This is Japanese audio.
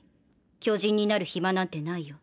巨人になるヒマなんてないよ。